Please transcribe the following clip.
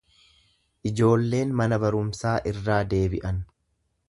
Ijoolleen mana barumsaa irraa deebi’an.